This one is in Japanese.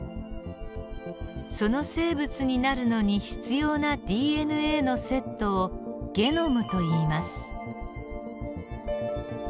その生物になるのに必要なＤＮＡのセットをゲノムといいます。